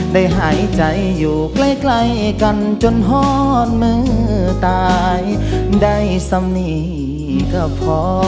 หายใจอยู่ใกล้กันจนห้อนมือตายได้สำนีก็พอ